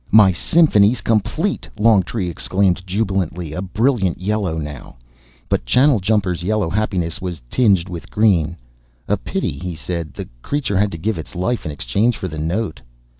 "My symphony's complete," Longtree exclaimed jubilantly, a brilliant yellow now. But Channeljumper's yellow happiness was tinged with green. "A pity," he said, "the creature had to give its life in exchange for the note."